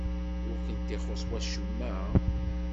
Ur kent-ixuṣṣ wacemma?